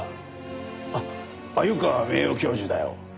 あっ鮎川名誉教授だよ。